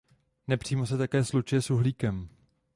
Nepřímo se také slučuje s uhlíkem.